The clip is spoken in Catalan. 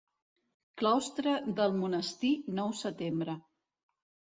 Claustre del Monestir, nou setembre.